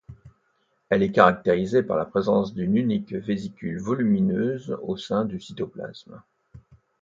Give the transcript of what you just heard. Elle est caractérisée par la présence d'une unique vésicule volumineuse au sein du cytoplasme.